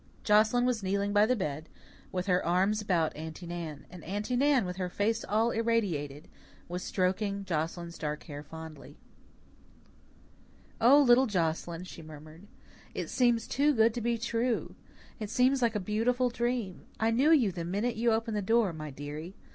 Joscelyn was kneeling by the bed, with her arms about Aunty Nan; and Aunty Nan, with her face all irradiated, was stroking Joscelyn's dark hair fondly. "O, little Joscelyn," she murmured, "it seems too good to be true. It seems like a beautiful dream. I knew you the minute you opened the door, my dearie.